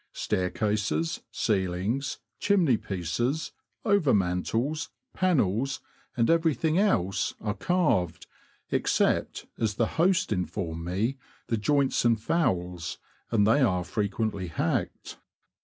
Staircases, ceilings, chimney pieces, over mantels, panels, and everything else, are carved — except, as the host informed me, the joints and fowls, and they are frequently hacked.